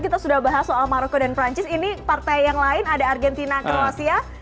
kita sudah bahas soal maroko dan perancis ini partai yang lain ada argentina kroasia